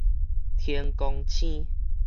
天罡星